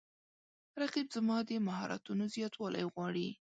رقیب زما د مهارتونو زیاتوالی غواړي